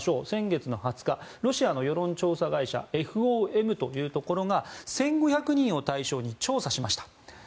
先月２０日ロシアの世論調査会社ＦＯＭというところが１５００人を対象に調査しました。